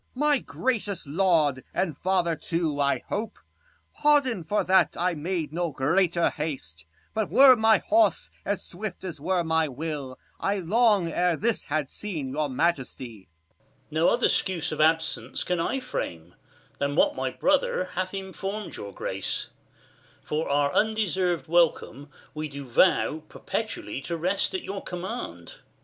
My gracious lord, and father too, I hope, Pardon, for that I made no greater haste : 55 But were my horse as swift as were my will, I long ere this had seen your majesty. Cam. No other 'scuse of absence can I frame, Than what my brother hath inform'd your grace : For our undeserved welcome, we do vow, 60 Perpetually to rest at your command.